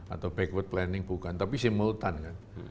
atau backward planning bukan tapi simultan kan